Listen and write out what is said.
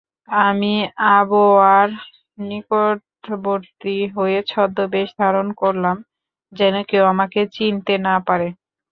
আমি আবওয়ার নিকটবর্তী হয়ে ছদ্মবেশ ধারণ করলাম, যেন কেউ আমাকে চিনতে না পারে।